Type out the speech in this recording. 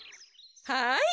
はい。